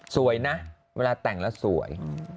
สวยนะเวลาแต่งแล้วสวย